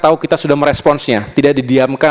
tahu kita sudah meresponsnya tidak didiamkan